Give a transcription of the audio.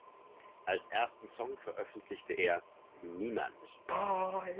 Als ersten Song veröffentlichte er "Niemand".